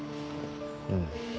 うん。